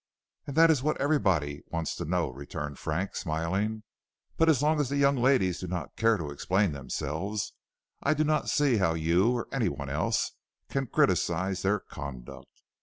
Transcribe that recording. "And that is what everybody wants to know," returned Frank, smiling; "but as long as the young ladies do not care to explain themselves I do not see how you or any one else can criticise their conduct.